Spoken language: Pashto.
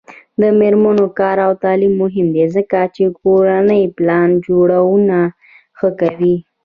د میرمنو کار او تعلیم مهم دی ځکه چې کورنۍ پلان جوړونه ښه کوي.